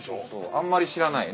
あんまり知らないよね。